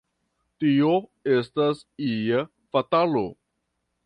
Tio estas ia fatalo!